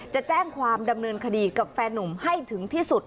จะแจ้งความดำเนินคดีกับแฟนนุ่มให้ถึงที่สุด